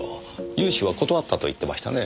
融資は断ったと言ってましたね。